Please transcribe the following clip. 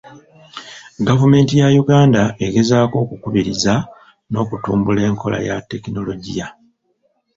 Gavumenti ya Uganda egezaako okukubiriza n'okutumbula enkola ya tekinologiya.